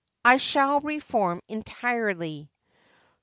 I shall reform entirely."